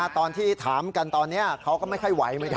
ตอนที่ถามกันตอนนี้เขาก็ไม่ใช่ไหว